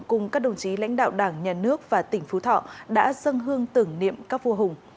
cùng các đồng chí lãnh đạo đảng nhà nước và tỉnh phú thọ đã dâng hương tưởng niệm các vua hùng